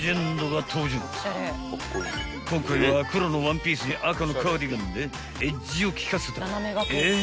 ［今回は黒のワンピースに赤のカーディガンでエッジを効かせた］